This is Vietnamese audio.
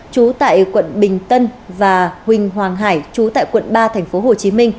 trú tại quận bình tân và huỳnh hoàng hải chú tại quận ba tp hcm